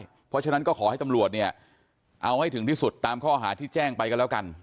เพราะฉะนั้นก็ขอให้ตำรวจเนี่ยเอาให้ถึงที่สุดตามข้อหาที่แจ้งไปกันแล้วกัน